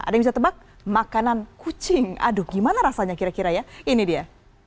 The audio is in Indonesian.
ada yang bisa tebak makanan kucing aduh gimana rasanya kira kira ya ini dia